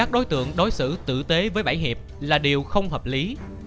đối tượng đối xử tử tế với bảy hiệp là điều không hợp lý